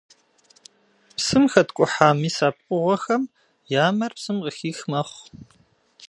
Псым хэткӀухьа мис а пкъыгъуэхэм я мэр псым къыхих мэхъу.